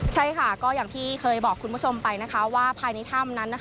ใช่ค่ะก็อย่างที่เคยบอกคุณผู้ชมไปนะคะว่าภายในถ้ำนั้น